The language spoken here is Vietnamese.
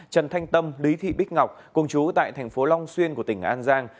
trần thanh tâm lý thị bích ngọc công chú tại thành phố long xuyên của tỉnh an giang